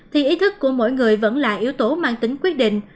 thì ý thức của mỗi người vẫn là yếu tố mang tính quyết định